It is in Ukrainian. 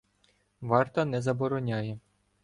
Варта не забороняє.